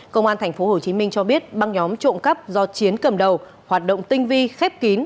công an tp hcm cho biết băng nhóm trộm cắp do chiến cầm đầu hoạt động tinh vi khép kín